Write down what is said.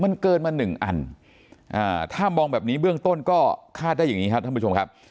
มันเกินมาหนึ่งอันถ้ามองแบบนี้เบื้องต้นก็คาดได้อย่างนี้ครับท่านผู้ชมครับ